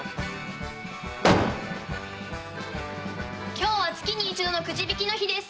今日は月に一度のくじ引きの日です。